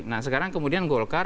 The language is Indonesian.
nah sekarang kemudian golkar